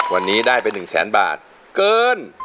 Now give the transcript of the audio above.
วันนี้ได้ไป๑แสนบาทเกิน